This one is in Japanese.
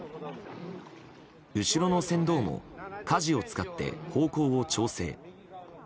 後ろの船頭もかじを使って方向を調整。